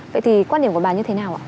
vậy thì quan điểm của bà như thế nào ạ